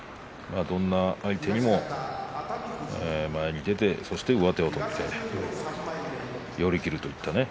どんな相手にも前に出てそして上手を取って寄り切るといったね。